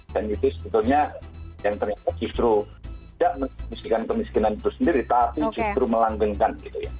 dan itu sebetulnya yang ternyata justru tidak menembuskan kemiskinan itu sendiri tapi justru melanggengkan gitu ya